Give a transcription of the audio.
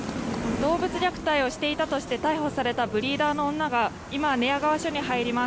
動物虐待をしていたとして逮捕されたブリーダーの女が今、寝屋川署に入ります。